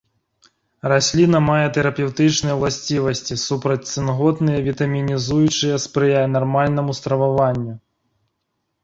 Расліна мае тэрапеўтычныя ўласцівасці, супрацьцынготныя, вітамінізуючыя, спрыяе нармальнаму страваванню.